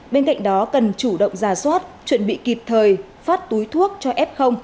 bên cạnh đó cần chủ động ra soát chuẩn bị kịp thời phát túi thuốc cho f